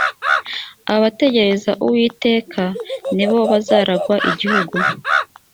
abategereza uwiteka ni bo bazaragwa igihugu